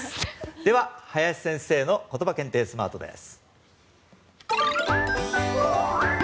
では、林先生のことば検定スマートです。